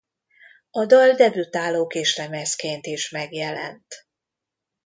A dal debütáló kislemezként is megjelent.